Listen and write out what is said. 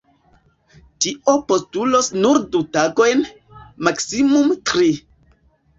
Tio postulos nur du tagojn, maksimume tri.